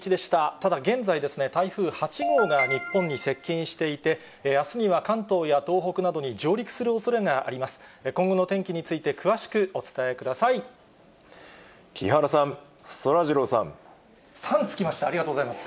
ただ、現在、台風８号が日本に接近していて、あすには関東や東北などに上陸するおそれがあります。